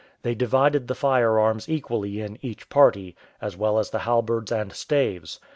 They divided the firearms equally in each party, as well as the halberds and staves.